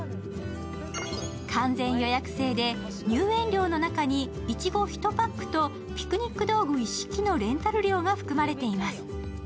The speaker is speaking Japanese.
完全予約制で、入園料の中にいちご１パックとピクニック道具一式のレンタル料が含まれています。